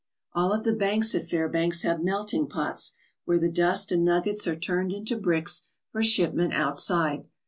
All of the banks at Fairbanks have melting pots where the dust and nuggets are turned into bricks for shipment outside.